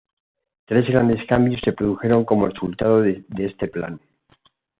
Tres grandes cambios se produjeron como resultado de este plan.